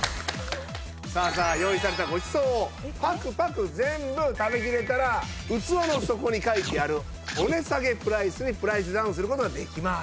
さあさあ用意されたごちそうをパクパク全部食べきれたら器の底に書いてあるお値下げプライスにプライスダウンする事ができます。